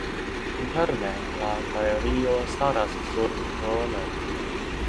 Interne la galerio staras sur kolonoj.